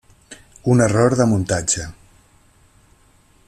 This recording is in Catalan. Un error de muntatge.